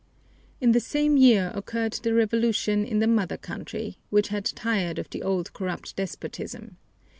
In the same year occurred the revolution in the mother country, which had tired of the old corrupt despotism.